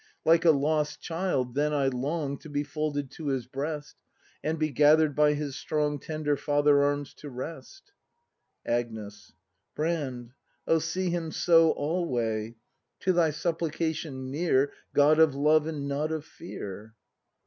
Like a lost child then I long To be folded to his breast. And be gather'd by His strong Tender Father arms to rest! Agnes. Brand, oh see Him so alway! To thy supplication near — God of love and not of fear!